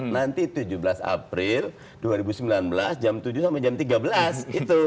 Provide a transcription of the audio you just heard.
nanti tujuh belas april dua ribu sembilan belas jam tujuh sampai jam tiga belas